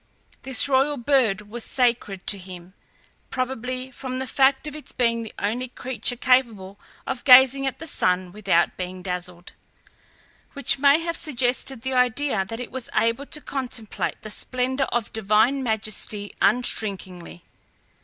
This royal bird was sacred to him, probably from the fact of its being the only creature capable of gazing at the sun without being dazzled, which may have suggested the idea that it was able to contemplate the splendour of divine majesty unshrinkingly.